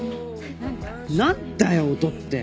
何だよ「音」って！